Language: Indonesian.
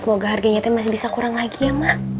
semoga harganya masih bisa kurang lagi ya mak